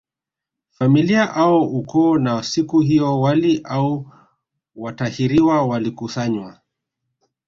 Familia au ukoo na siku hiyo wali au watahiriwa walikusanywa